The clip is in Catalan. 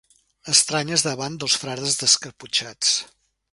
Estranyes davant dels frares descaputxats.